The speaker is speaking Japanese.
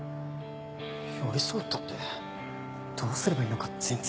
寄り添うったってどうすればいいのか全然。